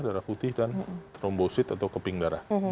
darah putih dan trombosit atau keping darah